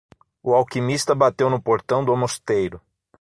O alquimista bateu no portão do mosteiro.